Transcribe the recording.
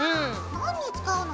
何に使うの？